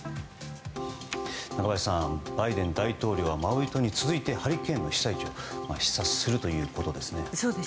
中林さんバイデン大統領はマウイ島に続きハリケーンの被災地を視察するということですね。